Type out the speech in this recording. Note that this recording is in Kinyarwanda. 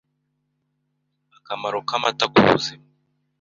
Akamaro k’amata ku buzima